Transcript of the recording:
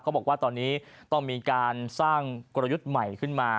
บอกว่าตอนนี้ต้องมีการสร้างกลยุทธ์ใหม่ขึ้นมา